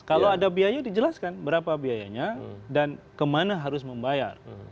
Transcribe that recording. kalau ada biaya dijelaskan berapa biayanya dan kemana harus membayar